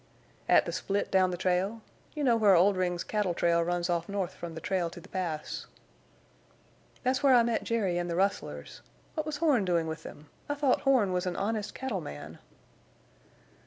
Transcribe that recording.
"At the split down the trail—you know where Oldring's cattle trail runs off north from the trail to the pass." "That's where I met Jerry and the rustlers. What was Horne doing with them? I thought Horne was an honest cattle man."